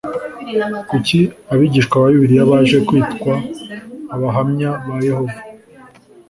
kuki abigishwa ba bibiliya baje kwitwa abahamya ba yehova?